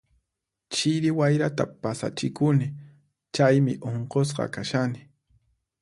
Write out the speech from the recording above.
Chiri wayrata pasachikuni, chaymi unqusqa kashani.